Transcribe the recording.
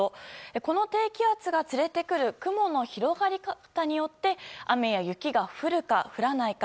この低気圧が連れてくる雲の広がり方によって雪や雨が降るか、降らないか。